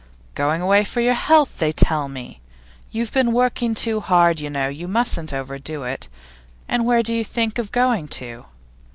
'Going away for your health, they tell me. You've been working too hard, you know. You mustn't overdo it. And where do you think of going to?